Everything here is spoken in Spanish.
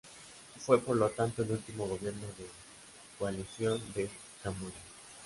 Fue, por lo tanto, el último gobierno de coalición de Camboya.